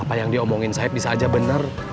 apa yang diomongin saib bisa aja bener